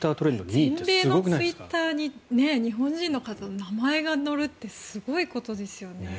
全米のツイッターに日本人の方の名前が載るってすごいことですよね。